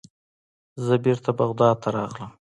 زه بیرته بغداد ته راغلم.